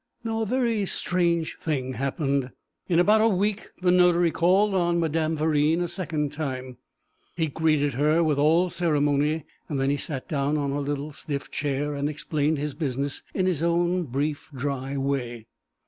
Now a very strange thing happened. In about a week the notary called on Madame Verine a second time; he greeted her with all ceremony, and then he sat down on a little stiff chair and explained his business in his own brief, dry way.